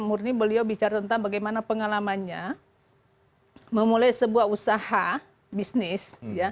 murni beliau bicara tentang bagaimana pengalamannya memulai sebuah usaha bisnis